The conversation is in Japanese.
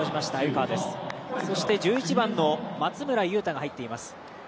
そして１１番の松村優太が入っています。